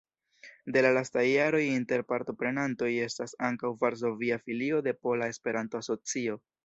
De la lastaj jaroj inter partoprenantoj estas ankaŭ varsovia filio de Pola Esperanto-Asocio.